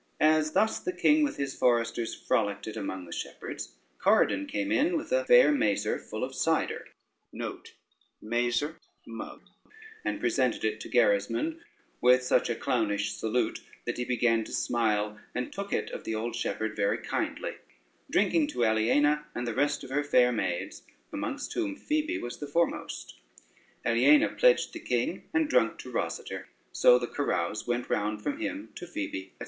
] As thus the king with his foresters frolicked it among the shepherds, Corydon came in with a fair mazer full of cider, and presented it to Gerismond with such a clownish salute that he began to smile, and took it of the old shepherd very kindly, drinking to Aliena and the rest of her fair maids, amongst whom Phoebe was the foremost. Aliena pledged the king, and drunk to Rosader; so the carouse went round from him to Phoebe, &c.